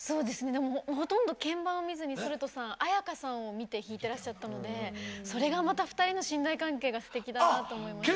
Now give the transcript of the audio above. ほとんど鍵盤を見ずにソルトさん絢香さんを見て弾いてらっしゃったのでそれがまた２人の信頼関係がすてきだなと思いました。